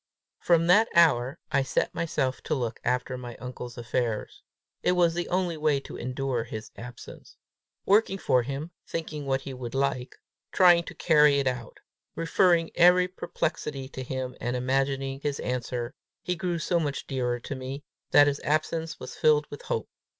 From that hour I set myself to look after my uncle's affairs. It was the only way to endure his absence. Working for him, thinking what he would like, trying to carry it out, referring every perplexity to him and imagining his answer, he grew so much dearer to me, that his absence was filled with hope.